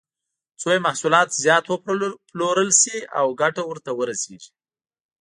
څو یې محصولات زیات وپلورل شي او ګټه ورته ورسېږي.